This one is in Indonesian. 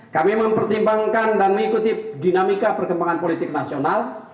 kami mempertimbangkan dan mengikuti dinamika perkembangan politik nasional